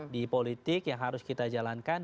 di politik yang harus kita jalankan